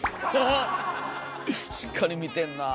しっかり見てんなあ。